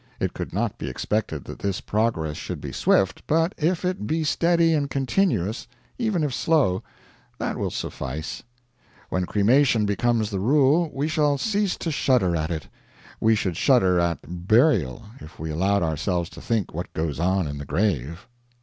It could not be expected that this progress should be swift, but if it be steady and continuous, even if slow, that will suffice. When cremation becomes the rule we shall cease to shudder at it; we should shudder at burial if we allowed ourselves to think what goes on in the grave.